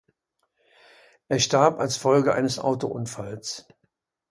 Er starb als Folge eines Autounfalls.